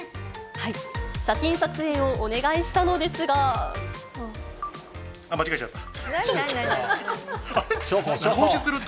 写真撮影をお願いしたのですあっ、間違えちゃった。